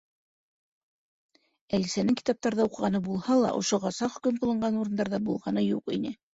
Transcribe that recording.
Әлисәнең китаптарҙа уҡығаны булһа ла, ошоғаса хөкөм ҡылынған урындарҙа булғаны юҡ ине.